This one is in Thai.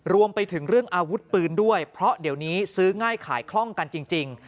รวมไปถึงเรื่องอาวุธปืนด้วยเพราะเดี๋ยวนี้ซื้อง่ายขายคล่องกันจริง